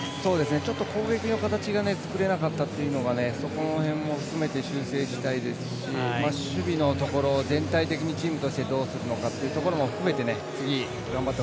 ちょっと攻撃の形が作れなかったというのがその辺も含めて修正したいですし守備のところ、全体的にチームとしてどうするのかというところを含めて